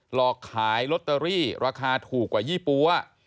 หลอกขายลอตเตอรี่ราคาถูกกว่ายี่ปั๊ว